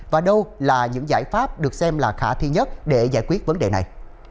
và đâu là những giải pháp được xem là khả thi nhất để giải quyết vấn đề này